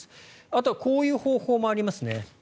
あと、こういう方法もありますね。